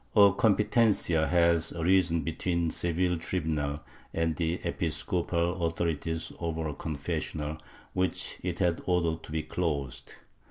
A competencia had arisen between the Seville tribunal and the episcopal authorities over a confessional which it had ordered to be closed.